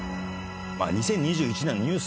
２０２１年のニュース